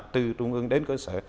từ trung ương đến cơ sở